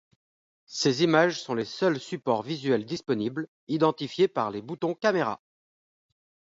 Ces images sont les seuls supports visuels disponibles, identifiés par les boutons caméras.